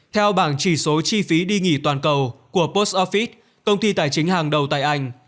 theo bảng chỉ số chi phí đi nghỉ toàn cầu của post office công ty tài chính hàng đầu tại anh